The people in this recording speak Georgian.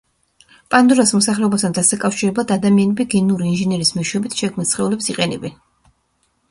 პანდორას მოსახლეობასთან დასაკავშირებლად ადამიანები გენური ინჟინერიის მეშვეობით შექმნილ სხეულებს იყენებენ.